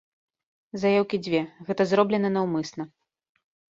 Заяўкі дзве, гэта зроблена наўмысна.